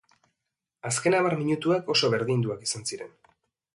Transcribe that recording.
Azken hamar minutuak oso berdinduak izan ziren.